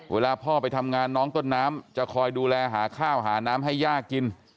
เวลาพ่อไปทำงานน้องต้นน้ำจะคอยดูแลหาข้าวหาน้ำให้ย่ากิน